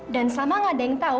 dan selama ada yang tau